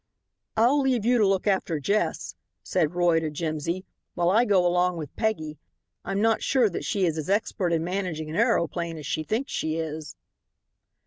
"I'll leave you to look after Jess," said Roy to Jimsy, "while I go along with Peggy. I'm not sure that she is as expert in managing an aeroplane as she thinks she is."